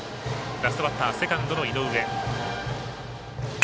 ラストバッター、セカンドの井上。